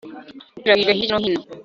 ikwirakwijwe hirya no hino